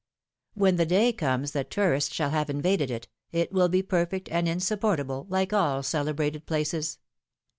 When the day comes that tourists shall have invaded it, it will be perfect and insupportable like all celebrated places.